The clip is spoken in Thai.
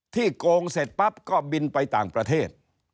โกงเสร็จปั๊บก็บินไปต่างประเทศ